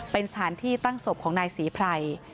เป็นสถานที่ตั้งศพของนายศรีไพร